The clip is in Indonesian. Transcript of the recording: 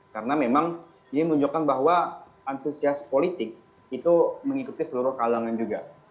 karena memang ini menunjukkan bahwa antusias politik itu mengikuti seluruh kalangan juga